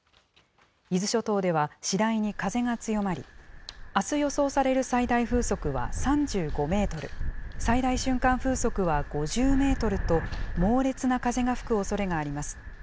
伊豆諸島では、次第に風が強まり、あす、予想される最大風速は３５メートル、最大瞬間風速は５０メートルと、猛烈な風が吹くおそれがあります。